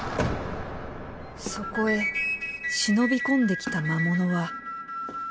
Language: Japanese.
そこへ忍び込んできた魔物は。